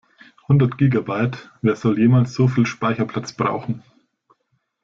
Hundert Gigabyte, wer soll jemals so viel Speicherplatz brauchen?